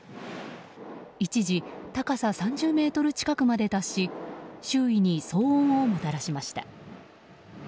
一時、高さ３０ｍ近くまで達し周囲に騒音をもたらしました。